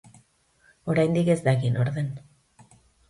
Oraindik ez daki nor den.